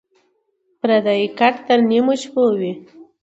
ـ پردى کټ تر نيمو شپو وي.